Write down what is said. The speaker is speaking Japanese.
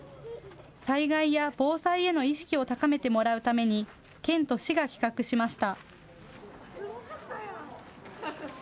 災害や防災への意識を高めてもらうために県と市が企画しました。